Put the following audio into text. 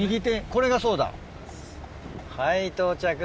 これがそうだ。